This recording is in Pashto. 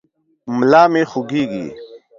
ملا مې خوږېږي.